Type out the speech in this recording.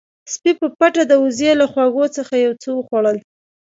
سپی په پټه د وزې له خواږو څخه یو څه وخوړل.